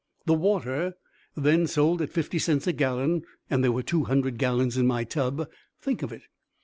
The water then sold at fifty cents a gallon and there were two hundred gallons in my tub. Think of it!